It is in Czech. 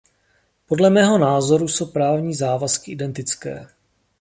Podle mého názoru jsou právní závazky identické.